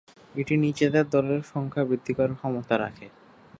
এটি নিজেদের দলের সংখ্যা বৃদ্ধি করার ক্ষমতা রাখে।